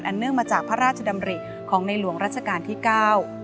เนื่องมาจากพระราชดำริของในหลวงรัชกาลที่เก้า